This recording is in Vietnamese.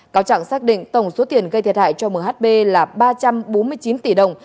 cáo trạng xác định tổng số tiền gây thiệt hại cho mhb là ba trăm bốn mươi chín tỷ đồng